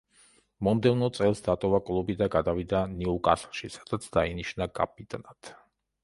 მომდევნო წელს დატოვა კლუბი და გადავიდა „ნიუკასლში“, სადაც დაინიშნა კაპიტნად.